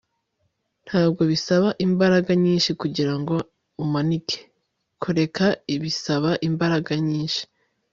ntabwo bisaba imbaraga nyinshi kugirango umanike. kureka bisaba imbaraga nyinshi